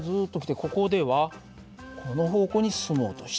ここではこの方向に進もうとしている。